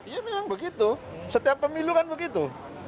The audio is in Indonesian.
ya memang begitu setiap pemilu kan begitu